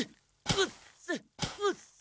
うっせ！